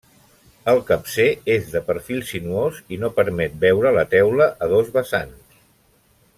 El capcer és de perfil sinuós i no permet veure la teula a dos vessant.